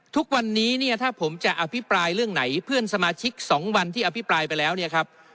ทุกวันนี้เนี่ยถ้าผมจะอภิปรายเรื่องไหนเพื่อนสมาชิกสองวันที่อภิปรายไปแล้วเนี่ยครับ